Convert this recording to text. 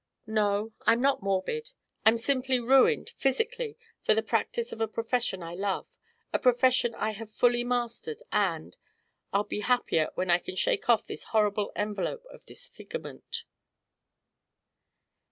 No, I'm not morbid. I'm simply ruined, physically, for the practice of a profession I love, a profession I have fully mastered, and I'll be happier when I can shake off this horrible envelope of disfigurement."